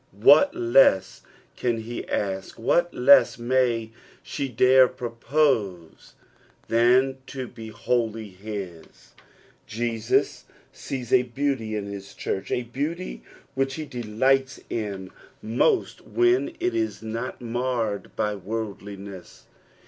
Whst less can be ask, what less may she dare propose than to be wholly his t Jesus PSALU THE FODTT FIPTH. 357 ■eea & beantj in his church, a bennty which be delights io most when it is not marred b; worldliness.